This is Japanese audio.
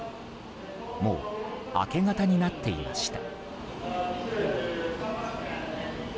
もう明け方になっていました。